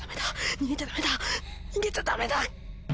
逃げちゃダメだ！